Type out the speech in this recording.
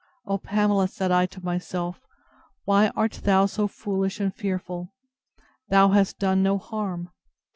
O Pamela, said I to myself, why art thou so foolish and fearful? Thou hast done no harm!